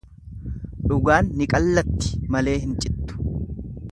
Dhugaan ni qallatti malee hin cittu.